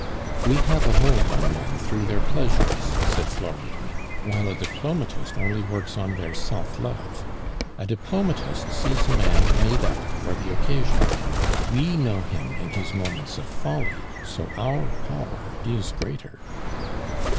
"We have a hold on men through their pleasures," said Florine, "while a diplomatist only works on their self love. A diplomatist sees a man made up for the occasion; we know him in his moments of folly, so our power is greater."